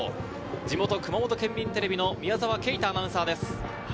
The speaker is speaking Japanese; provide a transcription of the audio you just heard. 地元・熊本県民テレビの宮澤奎大アナウンサーです。